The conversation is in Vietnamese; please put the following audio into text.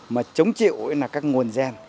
mà chống chịu là các nguồn gen